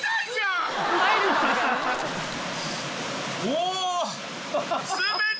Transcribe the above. お！